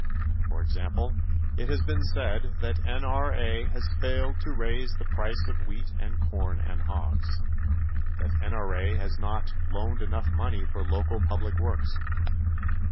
For example, it has been said that N.R.A. has failed to raise the price of wheat and corn and hogs; that N.R.A. has not loaned enough money for local public works.